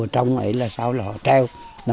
trong ấy là sau là họ treo